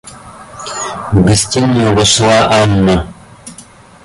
В гостиную вошла Анна.